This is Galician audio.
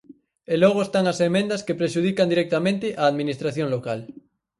E logo están as emendas que prexudican directamente a Administración local.